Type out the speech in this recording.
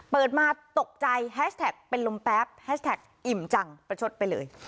เปิดมาตกใจแฮชแท็กเป็นลมแป๊บแฮชแท็กอิ่มจังประชดไปเลย